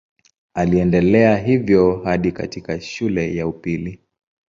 Aliendelea hivyo hadi katika shule ya upili.